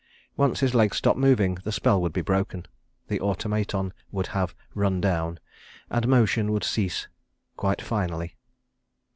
Once his legs stopped moving, the spell would be broken, the automaton would have "run down," and motion would cease quite finally.